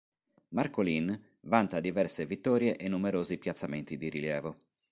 Marcolin vanta diverse vittorie e numerosi piazzamenti di rilievo.